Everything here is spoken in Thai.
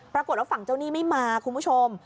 ปรากฏว่าฝั่งเจ้าหนี้ไม่มาคุณผู้ชม